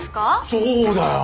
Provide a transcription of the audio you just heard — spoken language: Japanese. そうだよ。